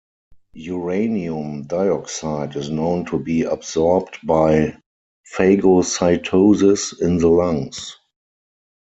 Uranium dioxide is known to be absorbed by phagocytosis in the lungs.